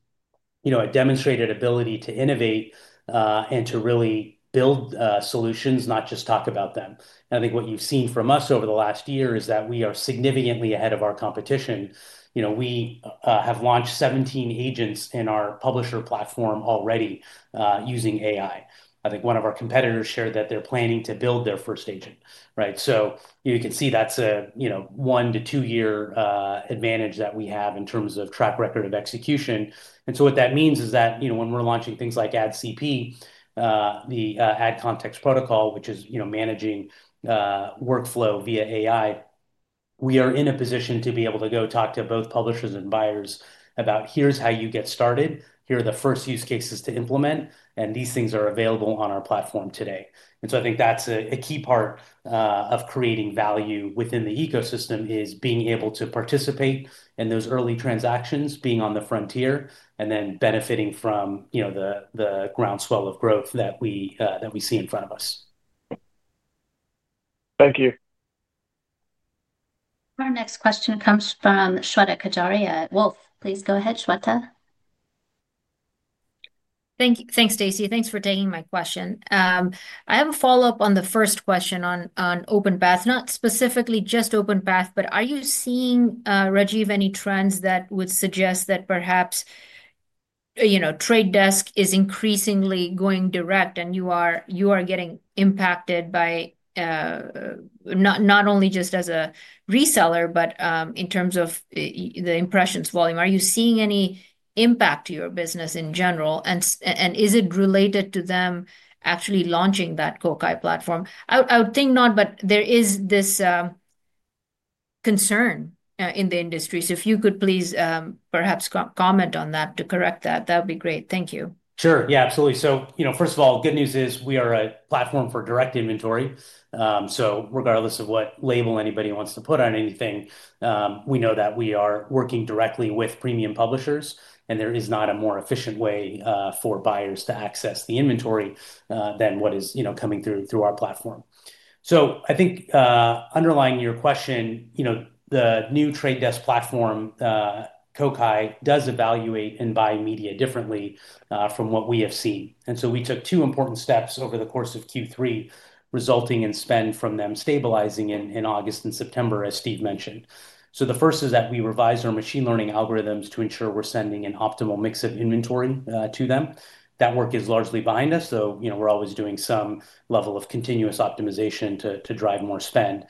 a demonstrated ability to innovate and to really build solutions, not just talk about them. I think what you've seen from us over the last year is that we are significantly ahead of our competition. We have launched 17 agents in our publisher platform already using AI. I think one of our competitors shared that they're planning to build their first agent, right? You can see that's a one to two-year advantage that we have in terms of track record of execution. What that means is that when we're launching things like AdCP, the Ad Context Protocol, which is managing workflow via AI, we are in a position to be able to go talk to both publishers and buyers about, "Here's how you get started. Here are the first use cases to implement, and these things are available on our platform today." I think that's a key part of creating value within the ecosystem, being able to participate in those early transactions, being on the frontier, and then benefiting from the groundswell of growth that we see in front of us. Thank you. Our next question comes from Shweta Khajuria at Wolfe. Please go ahead, Shweta. Thanks, Stacie. Thanks for taking my question. I have a follow-up on the first question on OpenPath, not specifically just OpenPath, but are you seeing, Rajeev, any trends that would suggest that perhaps Trade Desk is increasingly going direct and you are getting impacted by not only just as a reseller, but in terms of the impressions volume? Are you seeing any impact to your business in general? And is it related to them actually launching that Kokai platform? I would think not, but there is this concern in the industry. If you could please perhaps comment on that to correct that, that would be great. Thank you. Sure. Yeah, absolutely. First of all, good news is we are a platform for direct inventory. Regardless of what label anybody wants to put on anything, we know that we are working directly with premium publishers, and there is not a more efficient way for buyers to access the inventory than what is coming through our platform. I think underlying your question, the new Trade Desk platform, Kokai, does evaluate and buy media differently from what we have seen. We took two important steps over the course of Q3, resulting in spend from them stabilizing in August and September, as Steve mentioned. The first is that we revised our machine learning algorithms to ensure we are sending an optimal mix of inventory to them. That work is largely behind us, so we are always doing some level of continuous optimization to drive more spend.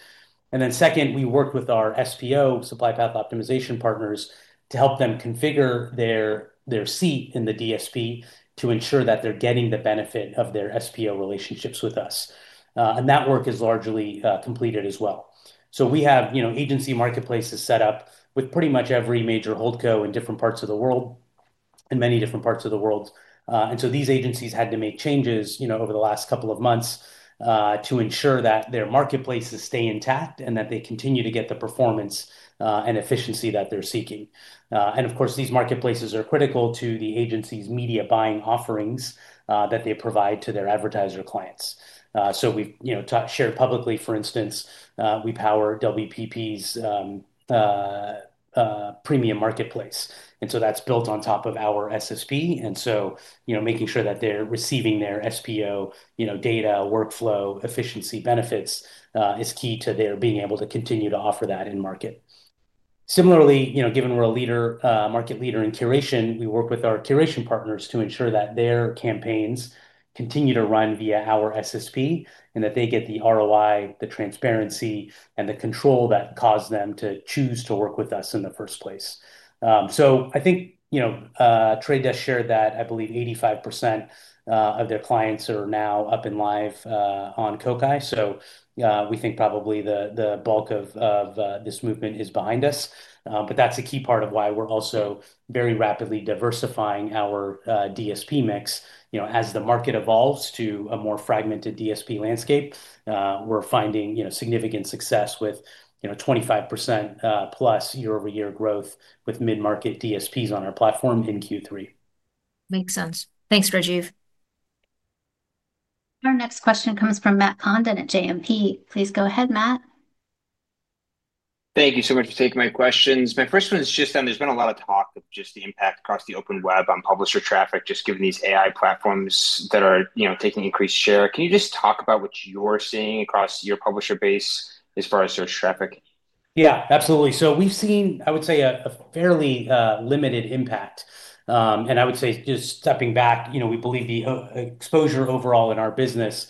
We worked with our SPO, Supply Path Optimization partners, to help them configure their seat in the DSP to ensure that they're getting the benefit of their SPO relationships with us. That work is largely completed as well. We have agency marketplaces set up with pretty much every major hold co in different parts of the world, in many different parts of the world. These agencies had to make changes over the last couple of months to ensure that their marketplaces stay intact and that they continue to get the performance and efficiency that they're seeking. These marketplaces are critical to the agency's media buying offerings that they provide to their advertiser clients. We've shared publicly, for instance, we power WPP's premium marketplace. That's built on top of our SSP. Making sure that they're receiving their SPO data, workflow, efficiency, benefits is key to their being able to continue to offer that in market. Similarly, given we're a market leader in curation, we work with our curation partners to ensure that their campaigns continue to run via our SSP and that they get the ROI, the transparency, and the control that caused them to choose to work with us in the first place. I think Trade Desk shared that I believe 85% of their clients are now up and live on Kokai. We think probably the bulk of this movement is behind us. That's a key part of why we're also very rapidly diversifying our DSP mix. As the market evolves to a more fragmented DSP landscape, we're finding significant success with 25%+ year-over-year growth with mid-market DSPs on our platform in Q3. Makes sense. Thanks, Rajeev. Our next question comes from Matt Condon at JMP. Please go ahead, Matt. Thank you so much for taking my questions. My first one is just that there has been a lot of talk of just the impact across the open web on publisher traffic, just given these AI platforms that are taking increased share. Can you just talk about what you are seeing across your publisher base as far as search traffic? Yeah, absolutely. We've seen, I would say, a fairly limited impact. I would say just stepping back, we believe the exposure overall in our business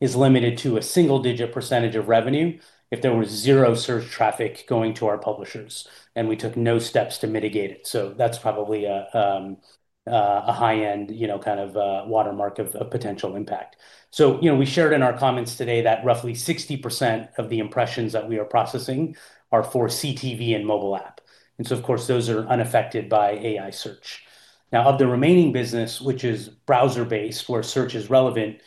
is limited to a single-digit percentage of revenue if there was zero search traffic going to our publishers, and we took no steps to mitigate it. That's probably a high-end kind of watermark of potential impact. We shared in our comments today that roughly 60% of the impressions that we are processing are for CTV and mobile app. Of course, those are unaffected by AI search. Now, of the remaining business, which is browser-based where search is relevant,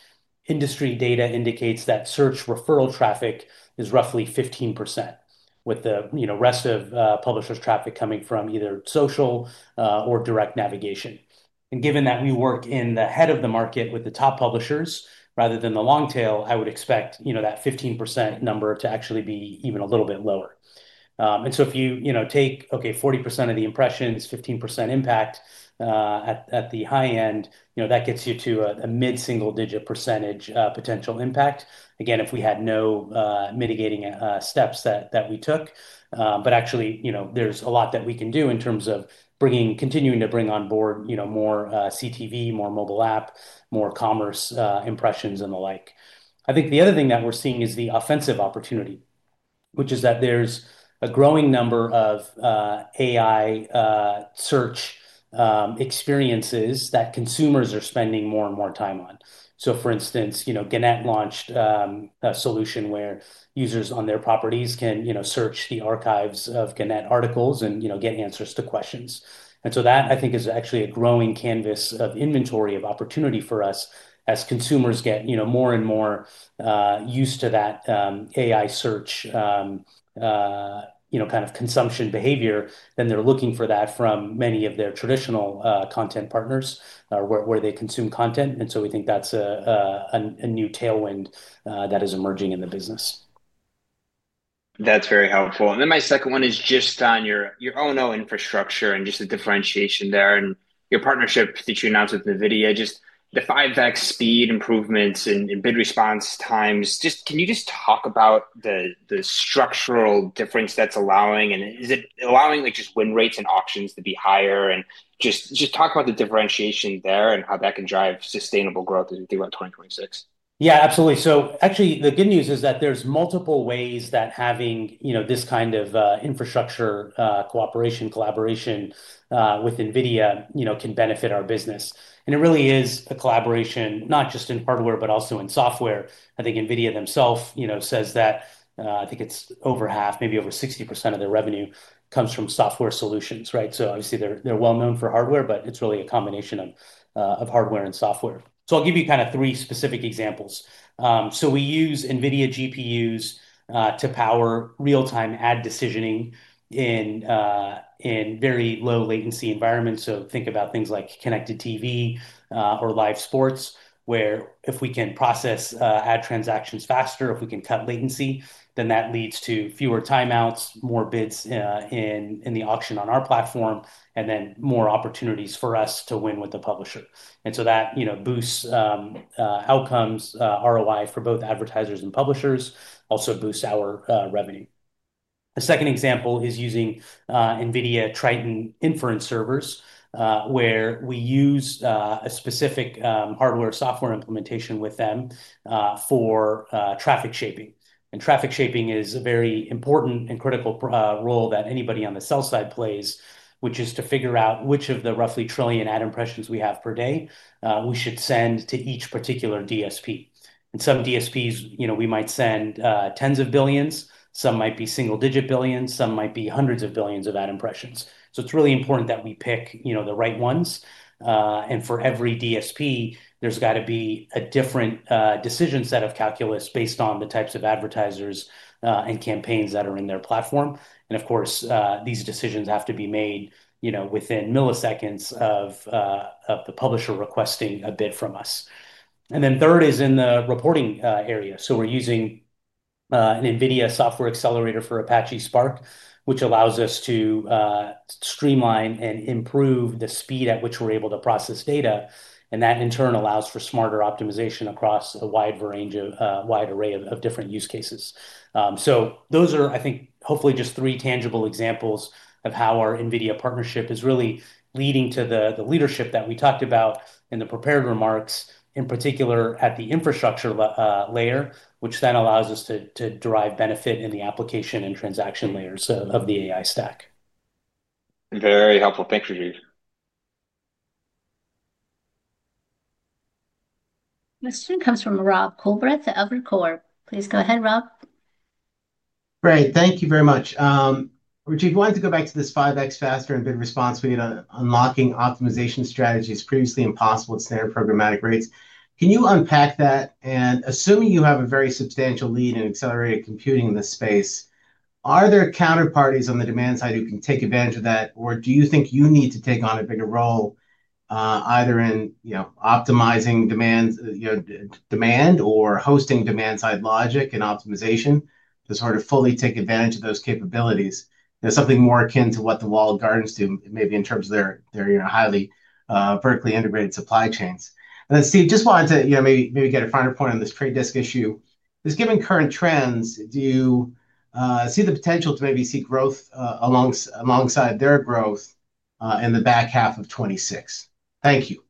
industry data indicates that search referral traffic is roughly 15%, with the rest of publisher's traffic coming from either social or direct navigation. Given that we work in the head of the market with the top publishers rather than the long tail, I would expect that 15% number to actually be even a little bit lower. If you take, okay, 40% of the impressions, 15% impact at the high end, that gets you to a mid-single-digit percentage potential impact. Again, if we had no mitigating steps that we took. Actually, there's a lot that we can do in terms of continuing to bring on board more CTV, more mobile app, more commerce impressions, and the like. I think the other thing that we're seeing is the offensive opportunity, which is that there's a growing number of AI search experiences that consumers are spending more and more time on. For instance, Gannett launched a solution where users on their properties can search the archives of Gannett articles and get answers to questions. I think that is actually a growing canvas of inventory of opportunity for us as consumers get more and more used to that AI search kind of consumption behavior than they're looking for that from many of their traditional content partners where they consume content. We think that's a new tailwind that is emerging in the business. That's very helpful. My second one is just on your O&O infrastructure and just the differentiation there and your partnership that you announced with NVIDIA, just the 5x speed improvements in bid response times. Can you just talk about the structural difference that's allowing, and is it allowing win rates and auctions to be higher? Just talk about the differentiation there and how that can drive sustainable growth as we think about 2026. Yeah, absolutely. Actually, the good news is that there's multiple ways that having this kind of infrastructure cooperation, collaboration with Nvidia can benefit our business. It really is a collaboration, not just in hardware, but also in software. I think NVIDIA themselves says that I think it's over half, maybe over 60% of their revenue comes from software solutions, right? Obviously, they're well known for hardware, but it's really a combination of hardware and software. I'll give you kind of three specific examples. We use NVIDIA GPUs to power real-time ad decisioning in very low-latency environments. Think about things like connected TV or live sports, where if we can process ad transactions faster, if we can cut latency, that leads to fewer timeouts, more bids in the auction on our platform, and more opportunities for us to win with the publisher. That boosts outcomes, ROI for both advertisers and publishers, also boosts our revenue. The second example is using NVIDIA Triton inference servers, where we use a specific hardware-software implementation with them for traffic shaping. Traffic shaping is a very important and critical role that anybody on the sell side plays, which is to figure out which of the roughly trillion ad impressions we have per day we should send to each particular DSP. Some DSPs, we might send tens of billions. Some might be single-digit billions. Some might be hundreds of billions of ad impressions. It is really important that we pick the right ones. For every DSP, there has got to be a different decision set of calculus based on the types of advertisers and campaigns that are in their platform. Of course, these decisions have to be made within milliseconds of the publisher requesting a bid from us. Third is in the reporting area. We're using an NVIDIA software accelerator for Apache Spark, which allows us to streamline and improve the speed at which we're able to process data. That in turn allows for smarter optimization across a wide array of different use cases. Those are, I think, hopefully just three tangible examples of how our NVIDIA partnership is really leading to the leadership that we talked about in the prepared remarks, in particular at the infrastructure layer, which then allows us to derive benefit in the application and transaction layers of the AI stack. Very helpful. Thanks, Rajeev. This one comes from Rob Coolbrith at Evercore. Please go ahead, Rob. Great. Thank you very much. Rajeev, wanting to go back to this 5x faster in bid response, we had unlocking optimization strategies previously impossible at standard programmatic rates. Can you unpack that? Assuming you have a very substantial lead in accelerated computing in this space, are there counterparties on the demand side who can take advantage of that, or do you think you need to take on a bigger role either in optimizing demand or hosting demand-side logic and optimization to sort of fully take advantage of those capabilities? There's something more akin to what the walled gardens do, maybe in terms of their highly vertically integrated supply chains. Steve, just wanted to maybe get a finer point on this Trade Desk issue. Just given current trends, do you see the potential to maybe see growth alongside their growth in the back half of 2026? Thank you.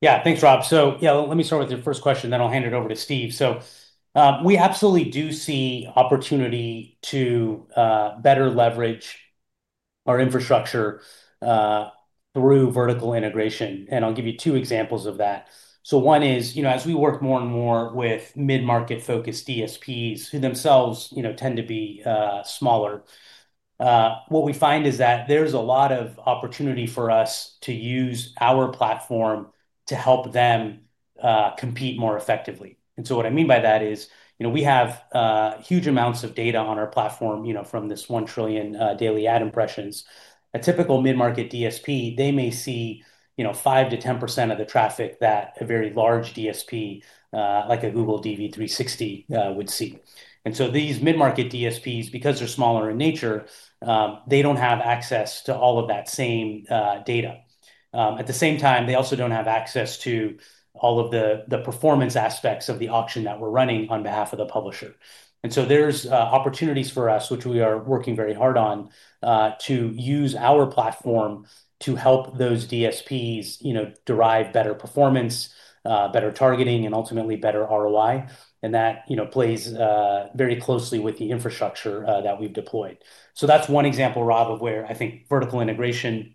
Yeah, thanks, Rob. Yeah, let me start with your first question, then I'll hand it over to Steve. We absolutely do see opportunity to better leverage our infrastructure through vertical integration. I'll give you two examples of that. One is, as we work more and more with mid-market-focused DSPs, who themselves tend to be smaller, what we find is that there's a lot of opportunity for us to use our platform to help them compete more effectively. What I mean by that is we have huge amounts of data on our platform from this one trillion daily ad impressions. A typical mid-market DSP, they may see 5%-10% of the traffic that a very large DSP like a Google DV360 would see. These mid-market DSPs, because they're smaller in nature, they don't have access to all of that same data. At the same time, they also don't have access to all of the performance aspects of the auction that we're running on behalf of the publisher. There are opportunities for us, which we are working very hard on, to use our platform to help those DSPs derive better performance, better targeting, and ultimately better ROI. That plays very closely with the infrastructure that we've deployed. That's one example, Rob, of where I think vertical integration,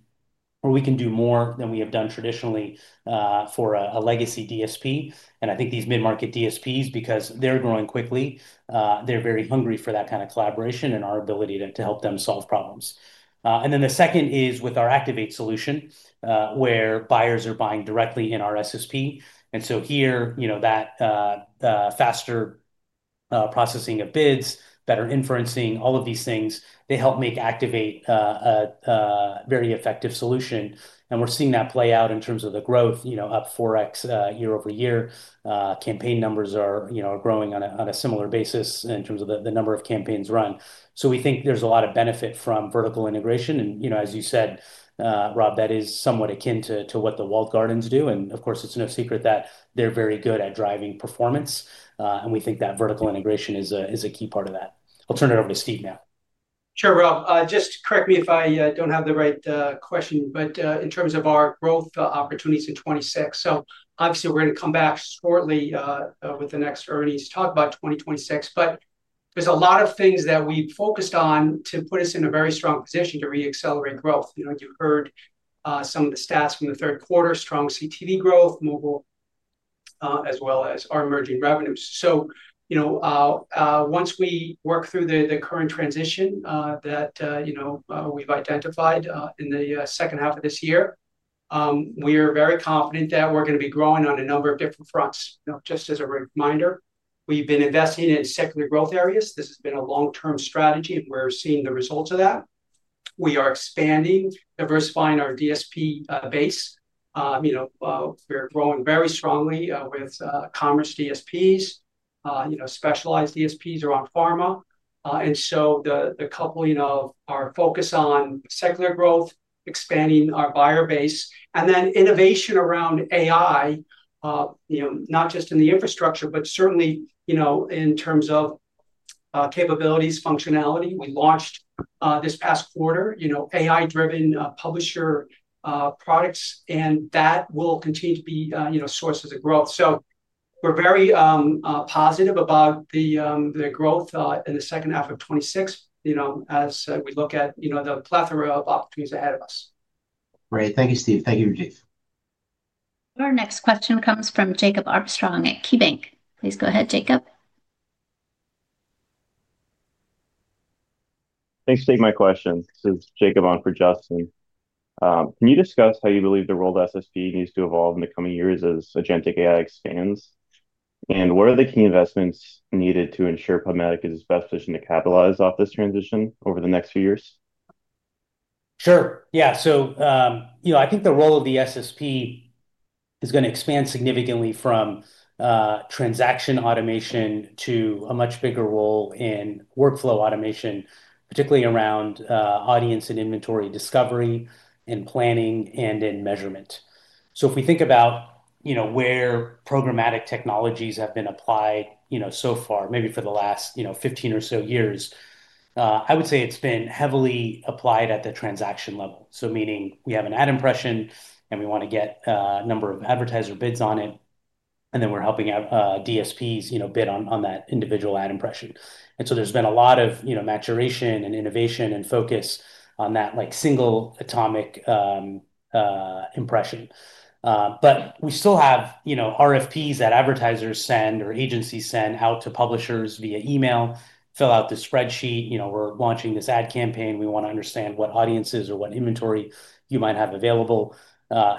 where we can do more than we have done traditionally for a legacy DSP. I think these mid-market DSPs, because they're growing quickly, they're very hungry for that kind of collaboration and our ability to help them solve problems. The second is with our Activate solution, where buyers are buying directly in our SSP. Here, that faster processing of bids, better inferencing, all of these things, they help make Activate a very effective solution. We are seeing that play out in terms of the growth, up 4x year over year. Campaign numbers are growing on a similar basis in terms of the number of campaigns run. We think there is a lot of benefit from vertical integration. As you said, Rob, that is somewhat akin to what the walled gardens do. Of course, it is no secret that they are very good at driving performance. We think that vertical integration is a key part of that. I will turn it over to Steve now. Sure, Rob. Just correct me if I do not have the right question, but in terms of our growth opportunities in 2026, obviously, we are going to come back shortly with the next earnings, talk about 2026. There is a lot of things that we have focused on to put us in a very strong position to re-accelerate growth. You have heard some of the stats from the third quarter, strong CTV growth, mobile, as well as our emerging revenues. Once we work through the current transition that we have identified in the second half of this year, we are very confident that we are going to be growing on a number of different fronts. Just as a reminder, we have been investing in secular growth areas. This has been a long-term strategy, and we are seeing the results of that. We are expanding, diversifying our DSP base. We're growing very strongly with commerce DSPs, specialized DSPs around pharma. The coupling of our focus on secular growth, expanding our buyer base, and then innovation around AI, not just in the infrastructure, but certainly in terms of capabilities, functionality. We launched this past quarter AI-driven publisher products, and that will continue to be sources of growth. We are very positive about the growth in the second half of 2026 as we look at the plethora of opportunities ahead of us. Great. Thank you, Steve. Thank you, Rajeev. Our next question comes from Jacob Armstrong at KeyBanc. Please go ahead, Jacob. Thanks for taking my question. This is Jacob on for Justin. Can you discuss how you believe the role the SSP needs to evolve in the coming years as Agentic AI expands? What are the key investments needed to ensure PubMatic is its best position to capitalize off this transition over the next few years? Sure. Yeah. I think the role of the SSP is going to expand significantly from transaction automation to a much bigger role in workflow automation, particularly around audience and inventory discovery and planning and in measurement. If we think about where programmatic technologies have been applied so far, maybe for the last 15 or so years, I would say it's been heavily applied at the transaction level. Meaning we have an ad impression, and we want to get a number of advertiser bids on it, and then we're helping DSPs bid on that individual ad impression. There has been a lot of maturation and innovation and focus on that single atomic impression. We still have RFPs that advertisers send or agencies send out to publishers via email, fill out the spreadsheet. We're launching this ad campaign. We want to understand what audiences or what inventory you might have available.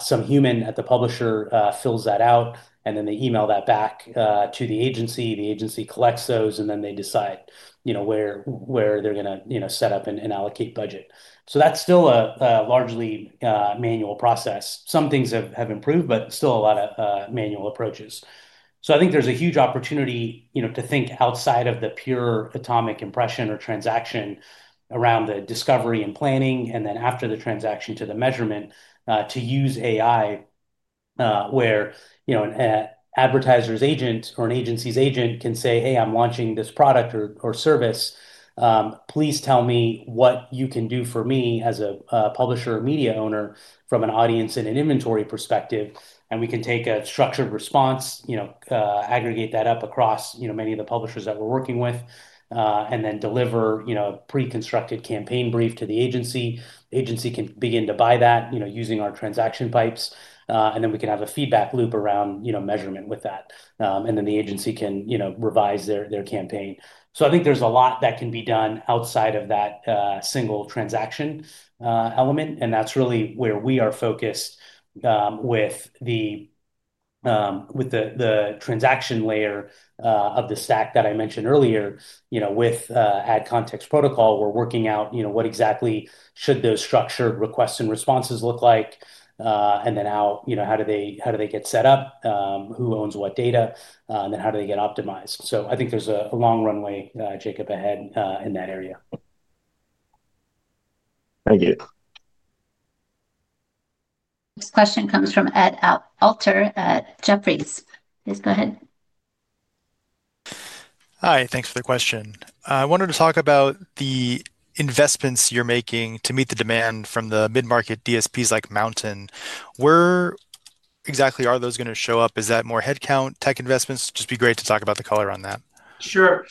Some human at the publisher fills that out, and then they email that back to the agency. The agency collects those, and then they decide where they're going to set up and allocate budget. That is still a largely manual process. Some things have improved, but still a lot of manual approaches. I think there is a huge opportunity to think outside of the pure atomic impression or transaction around the discovery and planning, and then after the transaction to the measurement, to use AI where an advertiser's agent or an agency's agent can say, "Hey, I'm launching this product or service. Please tell me what you can do for me as a publisher or media owner from an audience and an inventory perspective." We can take a structured response, aggregate that up across many of the publishers that we're working with, and then deliver a pre-constructed campaign brief to the agency. The agency can begin to buy that using our transaction pipes. We can have a feedback loop around measurement with that. The agency can revise their campaign. I think there's a lot that can be done outside of that single transaction element. That's really where we are focused with the transaction layer of the stack that I mentioned earlier with Ad Context Protocol. We're working out what exactly should those structured requests and responses look like, and then how do they get set up, who owns what data, and then how do they get optimized. I think there's a long runway, Jacob, ahead in that area. Thank you. Next question comes from Ed Alter at Jefferies. Please go ahead. Hi. Thanks for the question. I wanted to talk about the investments you're making to meet the demand from the mid-market DSPs like MNTN. Where exactly are those going to show up? Is that more headcount, tech investments? Just be great to talk about the color on that. Sure.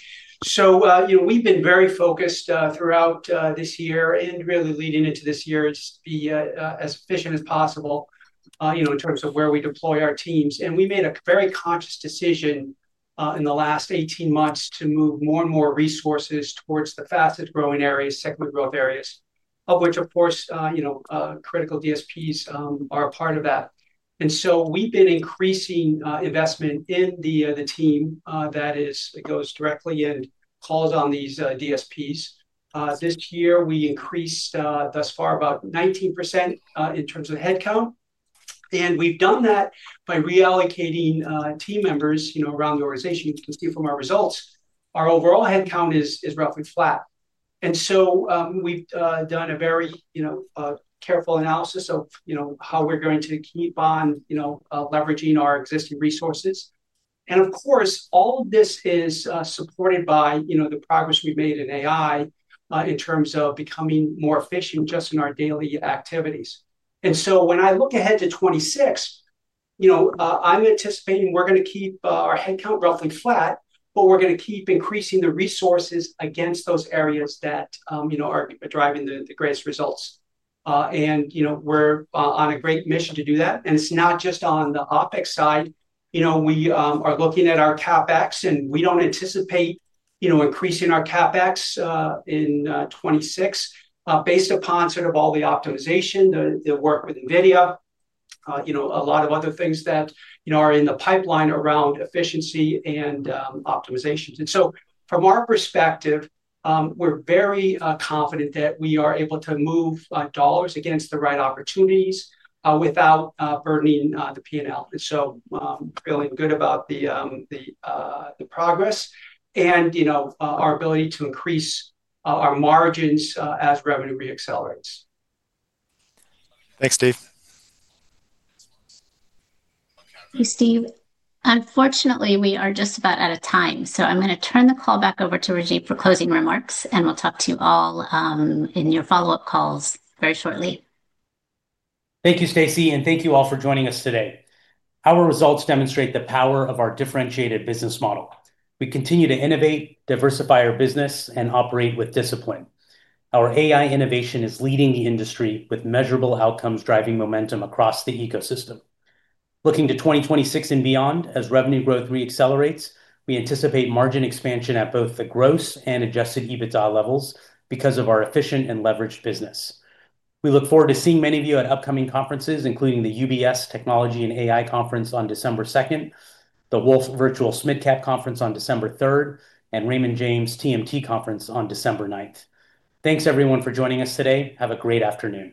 We have been very focused throughout this year and really leading into this year to be as efficient as possible in terms of where we deploy our teams. We made a very conscious decision in the last 18 months to move more and more resources towards the fastest-growing areas, segment-growth areas, of which, of course, critical DSPs are a part of that. We have been increasing investment in the team that goes directly and calls on these DSPs. This year, we increased thus far about 19% in terms of headcount. We have done that by reallocating team members around the organization. You can see from our results, our overall headcount is roughly flat. We have done a very careful analysis of how we are going to keep on leveraging our existing resources. Of course, all of this is supported by the progress we've made in AI in terms of becoming more efficient just in our daily activities. When I look ahead to 2026, I'm anticipating we're going to keep our headcount roughly flat, but we're going to keep increasing the resources against those areas that are driving the greatest results. We're on a great mission to do that. It's not just on the OpEx side. We are looking at our CapEx, and we do not anticipate increasing our CapEx in 2026 based upon sort of all the optimization, the work with NVIDIA, a lot of other things that are in the pipeline around efficiency and optimizations. From our perspective, we're very confident that we are able to move dollars against the right opportunities without burdening the P&L. Feeling good about the progress and our ability to increase our margins as revenue re-accelerates. Thanks, Steve. Thanks, Steve. Unfortunately, we are just about out of time. So I'm going to turn the call back over to Rajeev for closing remarks, and we'll talk to you all in your follow-up calls very shortly. Thank you, Stacey, and thank you all for joining us today. Our results demonstrate the power of our differentiated business model. We continue to innovate, diversify our business, and operate with discipline. Our AI innovation is leading the industry with measurable outcomes driving momentum across the ecosystem. Looking to 2026 and beyond, as revenue growth re-accelerates, we anticipate margin expansion at both the gross and adjusted EBITDA levels because of our efficient and leveraged business. We look forward to seeing many of you at upcoming conferences, including the UBS Technology and AI Conference on December 2, the Wolfe Virtual SMIDCAP Conference on December 3, and Raymond James TMT Conference on December 9. Thanks, everyone, for joining us today. Have a great afternoon.